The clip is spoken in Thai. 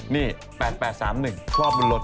นี่๘๘๓๑คลอดบนรถ